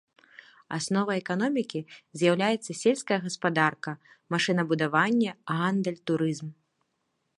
Асновай эканомікі з'яўляецца сельская гаспадарка, машынабудаванне, гандаль, турызм.